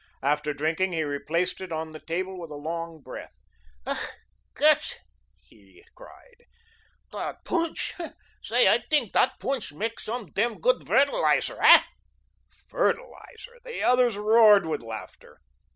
After drinking, he replaced it on the table with a long breath. "Ach Gott!" he cried, "dat poonsch, say I tink dot poonsch mek some demn goot vertilizer, hey?" Fertiliser! The others roared with laughter.